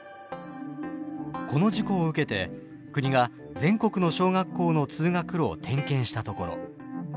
この事故を受けて国が全国の小学校の通学路を点検したところ。